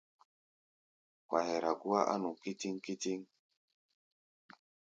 Wa hɛra gúá á nu kítíŋ-kítíŋ.